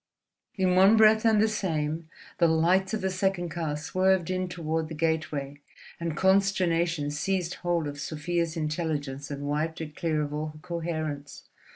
In one breath and the same the lights of the second car swerved in toward the gateway, and consternation seized hold of Sofia's intelligence and wiped it clear of all coherence.